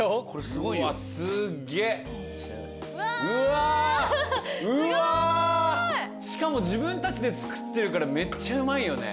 すごいしかも自分たちで作ってるからめっちゃうまいよね